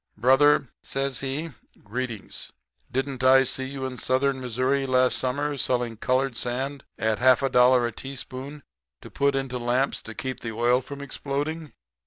"'Brother,' says he, 'greetings. Didn't I see you in Southern Missouri last summer selling colored sand at half a dollar a teaspoonful to put into lamps to keep the oil from exploding?'